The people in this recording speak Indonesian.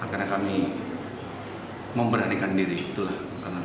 karena kami memberanikan diri itulah